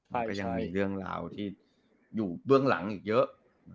ก็ยังมีเรื่องราวที่อยู่เบื้องหลังอีกเยอะ